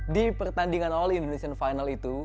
di pertandingan awal indonesian final itu